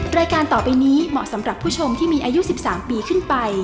รายการต่อไปนี้เหมาะสำหรับผู้ชมที่มีอายุ๑๓ปีขึ้นไป